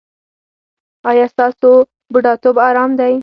ایا ستاسو بوډاتوب ارام دی؟